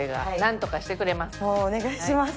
もうお願いします！